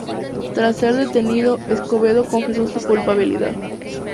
Tras ser detenido, Escobedo confesó su culpabilidad.